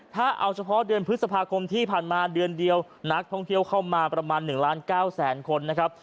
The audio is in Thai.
ถ้าเอาเฉพาะเดือนพฤษภาคมที่ผ่านมาเดือนเดียวนักท่องเที่ยวเข้ามาประมาณ๑ล้าน๙แสนคนนะครับ